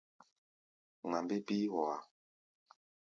Ŋma mbé bíí hɔá.